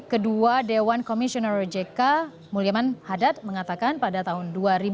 kedua dewan komisioner jk mulyaman haddad mengatakan pada tahun dua ribu lima belas